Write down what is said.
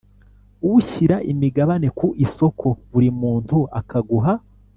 Ushyira imigabane ku isoko buri muntu akagura